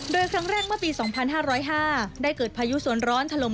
โดยครั้งแรกเมื่อปี๒๕๐๕ได้เกิดพายุสวนร้อนถล่ม